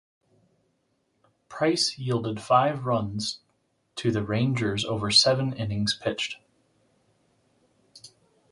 Price yielded five runs to the Rangers over seven innings pitched.